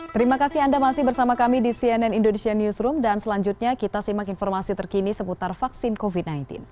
terima kasih anda masih bersama kami di cnn indonesia newsroom dan selanjutnya kita simak informasi terkini seputar vaksin covid sembilan belas